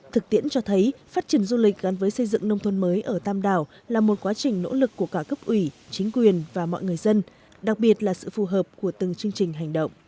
thực tiễn cho thấy phát triển du lịch gắn với xây dựng nông thôn mới ở tam đảo là một quá trình nỗ lực của cả cấp ủy chính quyền và mọi người dân đặc biệt là sự phù hợp của từng chương trình hành động